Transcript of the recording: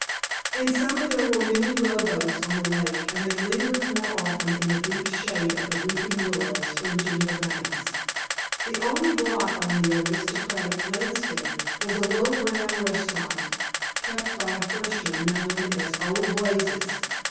In summer there were many rowboats on the lake, and they lingered more often in the deep shade of the weeping willows fringing the banks. The only blot on the aristocratic landscape was a low brown restaurant kept by a Frenchman, known as "Old Blazes."